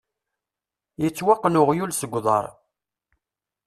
Yettwaqqen uɣyul seg uḍar.